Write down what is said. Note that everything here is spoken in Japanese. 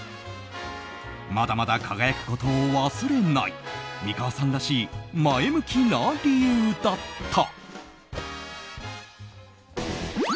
まだまだ輝くことを忘れない美川さんらしい前向きな理由だった。